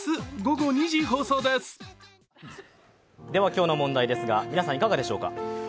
今日の問題ですが皆さんいかがでしょうか。